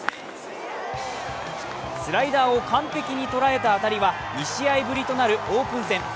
スライダーを完璧に捉えた当たりは２試合ぶりとなるオープン戦